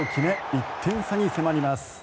１点差に迫ります。